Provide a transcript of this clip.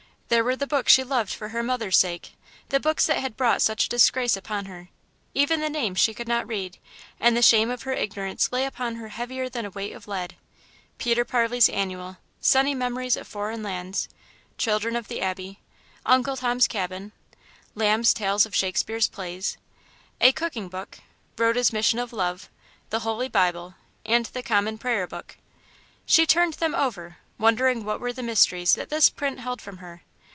There were the books she loved for her mother's sake, the books that had brought such disgrace upon her. Even the names she could not read, and the shame of her ignorance lay upon her heavier than a weight of lead. "Peter Parley's Annual," "Sunny Memories of Foreign Lands," "Children of the Abbey," "Uncle Tom's Cabin," Lamb's "Tales of Shakespeare's Plays," a Cooking Book, "Roda's Mission of Love," the Holy Bible and the Common Prayer Book. She turned them over, wondering what were the mysteries that this print held from her.